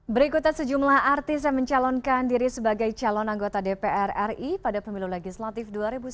berikutan sejumlah artis yang mencalonkan diri sebagai calon anggota dpr ri pada pemilu legislatif dua ribu sembilan belas